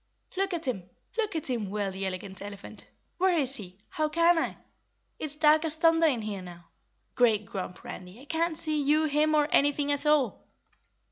"Look at him! Look at him!" wailed the Elegant Elephant. "Where is he? How can I? It's dark as thunder in here now! Great Grump, Randy, I can't see you, him or anything at all."